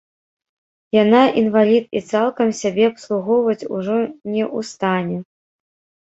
Яна інвалід і цалкам сябе абслугоўваць ужо не ў стане.